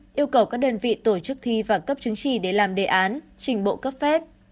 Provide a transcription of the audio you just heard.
yêu cầu các đơn vị tổ chức thi và cấp chứng chỉ để làm đề án trình bộ cấp phép